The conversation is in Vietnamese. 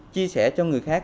chia sẻ cho người khác